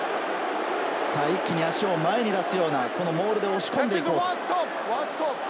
一気に足を前に出すようなモールで押し込んでいこうという。